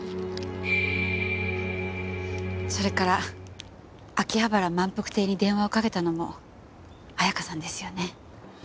それから秋葉原満腹亭に電話をかけたのも彩華さんですよね。